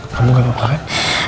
kamu gak apa apa kan